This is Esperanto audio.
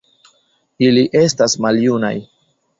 Ili estas maljunaj.